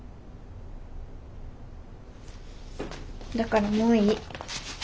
だからもういい。